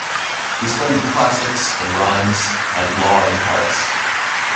He studied classics in Reims and law in Paris.